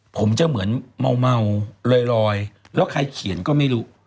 ผมจะเหมือนเมาลอยแล้วใครเขียนก็ไม่รู้